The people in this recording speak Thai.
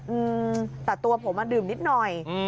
อืมแต่ตัวผมอ่ะดื่มนิดหน่อย